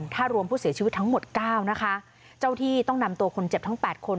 ถ้ารวมผู้เสียชีวิตทั้งหมด๙นะคะเจ้าที่ต้องนำตัวคนเจ็บทั้ง๘คน